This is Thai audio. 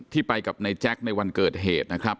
ไปกับนายแจ๊คในวันเกิดเหตุนะครับ